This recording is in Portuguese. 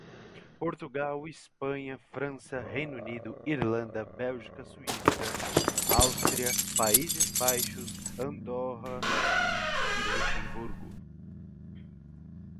Portugal, Espanha, França, Reino Unido, Irlanda, Bélgica, Suíça, Áustria, Países Baixos, Andorra, Luxemburgo